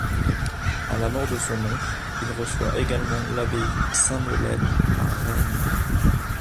À la mort de son oncle il reçoit également l'abbaye Saint-Melaine à Rennes.